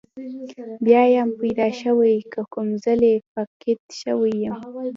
بیا یم پیدا شوی که کوم ځلې فقید شوی یم.